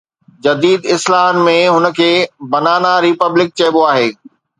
جديد اصطلاحن ۾ هن کي ’بنانا ريپبلڪ‘ چئبو آهي.